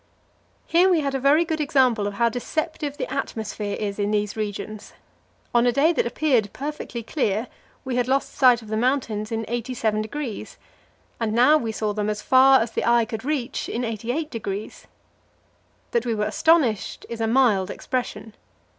Here we had a very good example of how deceptive the atmosphere is in these regions. On a day that appeared perfectly clear we had lost sight of the mountains in 87°, and now we saw them as far as the eye could reach in 88°. That we were astonished is a mild expression.